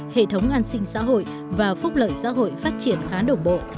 hệ thống an sinh xã hội và phúc lợi xã hội phát triển khá đồng bộ